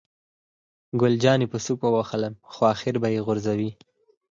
ګل جانې په سوک ووهلم، خو آخر به یې غورځوي.